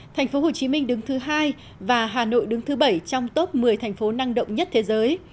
thành phố hồ chí minh đứng thứ hai và hà nội đứng thứ bảy trong top một mươi thành phố năng động nhất thế giới